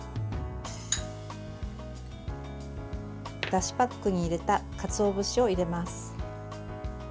だしパックに入れたかつお節を入れます。